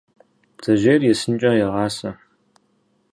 Бдзэжьейр есынкӏэ егъасэ.